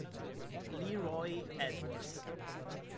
Leroy Edwards